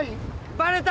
バレた！